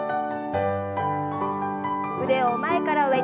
腕を前から上に。